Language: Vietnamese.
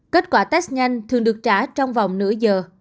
kết quả test nhanh thường được trả trong vòng nửa giờ